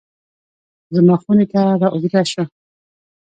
زما خونې ته رااوږده شوه